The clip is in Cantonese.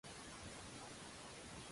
我瞌一陣先